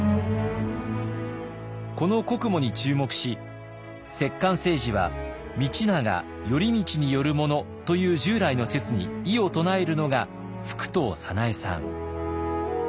この国母に注目し摂関政治は道長頼通によるものという従来の説に異を唱えるのが服藤早苗さん。